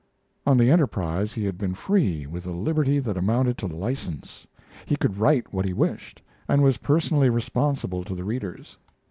On the Enterprise he had been free, with a liberty that amounted to license. He could write what he wished, and was personally responsible to the readers.